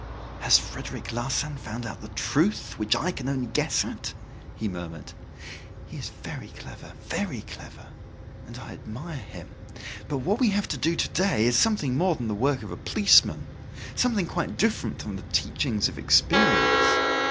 "Has Frederic Larsan found out the truth, which I can only guess at?" he murmured. "He is very clever very clever and I admire him. But what we have to do to day is something more than the work of a policeman, something quite different from the teachings of experience.